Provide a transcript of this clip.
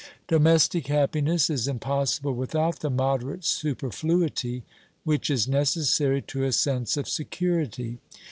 Domestic happiness is impossible without the moderate superfluity which is necessary to a sense of security.